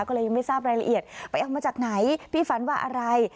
ก็เลยยังไม่ทราบรายละเอียดไปเอามาจากไหนพี่ฝันว่าอะไร